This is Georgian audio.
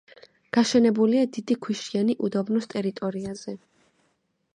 გაშენებულია დიდი ქვიშიანი უდაბნოს ტერიტორიაზე.